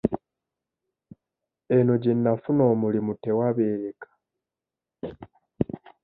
Eno gye nnafuna omulimu tewabeereka.